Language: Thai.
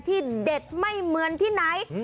ที่เด็ดไม่เหมือนที่ไหน